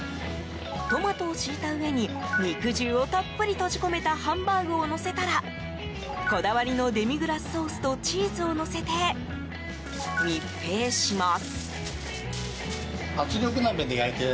トマトを敷いた上に肉汁をたっぷり閉じ込めたハンバーグをのせたらこだわりのデミグラスソースとチーズをのせて密閉します。